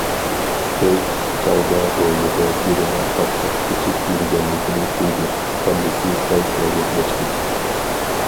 بىر چاغدا ھويلىدا بىرىنىڭ پاتقاق كېچىپ يۈرگەنلىكىنى تۇيدى، كاللىسى سەل سەگەكلەشتى.